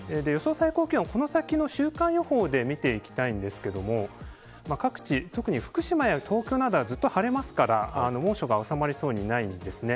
最高気温この先の週間予報で見ていきたいんですが各地、特に福島や東京などはずっと晴れますから猛暑が収まりそうにないんですね。